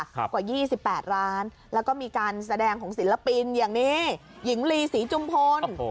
กว่า๒๘ล้านแล้วก็มีการแสดงของศิลปินอย่างนี้หญิงลีศรีจุมพล